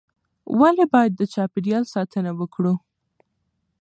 ولې باید د چاپیریال ساتنه وکړو؟